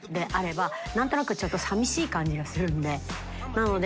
なので